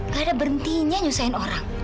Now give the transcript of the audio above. gak ada berhentinya nyusahin orang